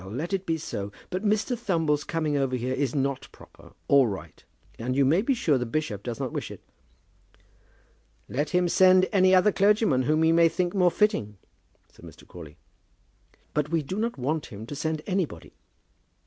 Let it be so. But Mr. Thumble's coming over here is not proper or right; and you may be sure the bishop does not wish it." "Let him send any other clergyman whom he may think more fitting," said Mr. Crawley. "But we do not want him to send anybody."